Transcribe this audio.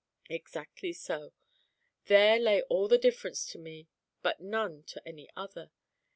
Exactly so. There lay all the difference to me, but none to any other.